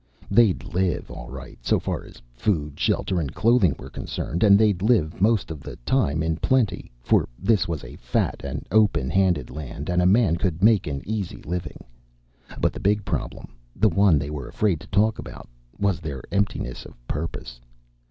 They'd live, all right, so far as food, shelter and clothing were concerned. And they'd live most of the time in plenty, for this was a fat and open handed land and a man could make an easy living. But the big problem the one they were afraid to talk about was their emptiness of purpose.